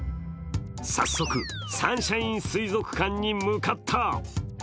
早速、サンシャイン水族館に向かった。